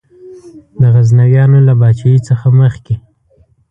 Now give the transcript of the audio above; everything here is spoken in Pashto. د غزنویانو له پاچهۍ څخه مخکي.